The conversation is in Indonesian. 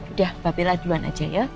udah bapela duluan aja ya